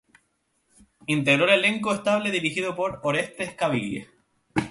Integró el elenco estable dirigido por Orestes Caviglia.